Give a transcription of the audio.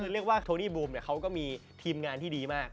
เรียกว่าโทนี่บูมเขาก็มีทีมงานที่ดีมาก